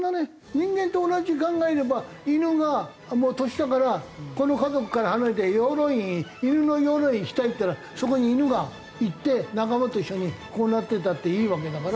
人間と同じに考えれば犬がもう年だからこの家族から離れて養老院犬の養老院行きたいって言ったらそこに犬が行って仲間と一緒にこうなってたっていいわけだから。